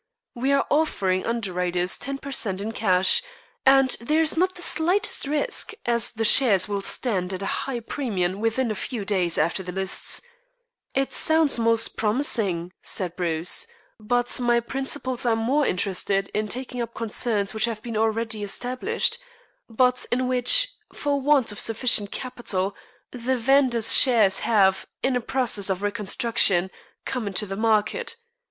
We are offering underwriters ten per cent in cash, and there is not the slightest risk, as the shares will stand at a high premium within a few days after the lists " "It sounds most promising," said Bruce; "but my principals are more interested in taking up concerns which have been already established, but in which, for want of sufficient capital, the vendors' shares have, by a process of reconstruction, come into the market.